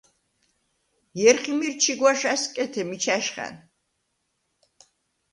ჲერხი მირ ჩიგუ̂აშ ა̈სკეთე მიჩა̈შხა̈ნ!